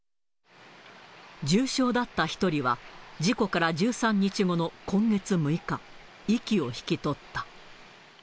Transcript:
重症だった１人は事故から１３日後の今月６日、息を引き取った。